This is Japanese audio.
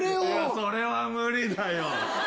それは無理だよ。